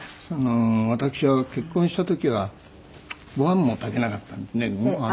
私は結婚した時はご飯も炊けなかったんですね。